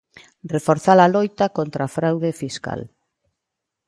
Reforzar a loita contra a fraude fiscal.